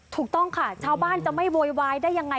ถูกต้องค่ะชาวบ้านจะไม่โวยวายได้ยังไง